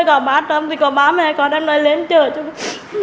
còn bá mẹ con em lại lên chờ chụp phê